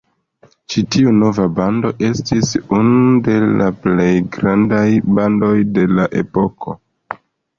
Ĉi tiu nova bando estis unu de la plej grandaj bandoj de la epoko.